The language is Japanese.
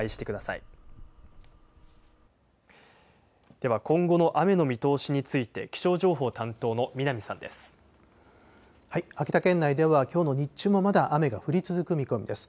では、今後の雨の見通しについて秋田県内ではきょうの日中もまだ雨が降り続く見込みです。